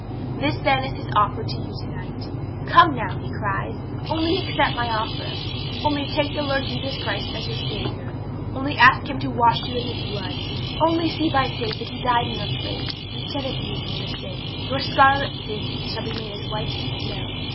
'This then is His offer to you to night. "Come now," He cries, "only accept My offer." Only take the Lord Jesus Christ as your Saviour; only ask Him to wash you in His blood; only see, by faith, that He died in your place, instead of you; and your sins your scarlet sins shall be made as white as snow.